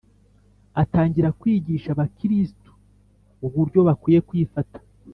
atangira kwigisha abakiristu uburyo bakwiye kwifata